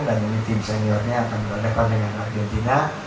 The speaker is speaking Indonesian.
dan tim seniornya akan berhadapan dengan argentina